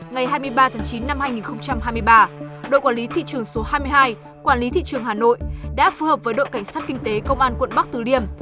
ngày hai mươi ba tháng chín năm hai nghìn hai mươi ba đội quản lý thị trường số hai mươi hai quản lý thị trường hà nội đã phù hợp với đội cảnh sát kinh tế công an quận bắc từ liêm